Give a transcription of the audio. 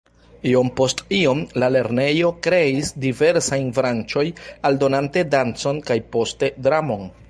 Iom post iom, la lernejo kreis diversajn branĉojn aldonante dancon kaj poste dramon.